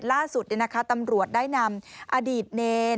ล่าสุดตำรวจได้นำอดีตเนร